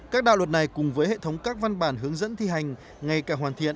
các đạo luật này cùng với hệ thống các văn bản hướng dẫn thi hành ngay cả hoàn thiện